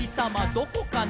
どこかな？」